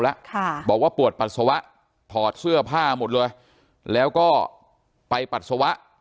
แล้วบอกว่าปวดปัสสาวะถอดเสื้อผ้าหมดเลยแล้วก็ไปปัสสาวะ